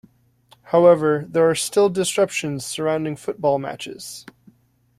However, there are still disruptions surrounding football matches.